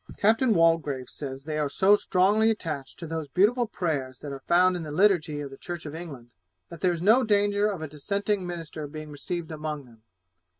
Captain Waldegrave says they are so strongly attached to those beautiful prayers that are found in the liturgy of the Church of England, that there is no danger of a dissenting minister being received among them.